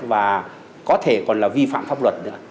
và có thể còn là vi phạm pháp luật nữa